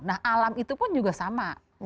nah alam itu pun juga sama